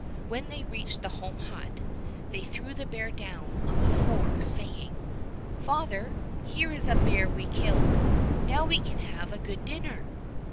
When they reached the home hut they threw the bear down on the floor saying: "Father, here is a bear we killed. Now we can have a good dinner."